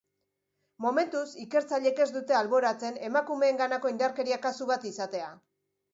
Momentuz ikertzaileek ez dute alboratzen emakumeenganako indarkeria kasu bat izatea.